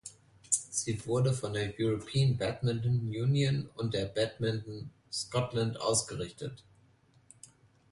Sie wurden von der European Badminton Union und "Badminton Scotland" ausgerichtet.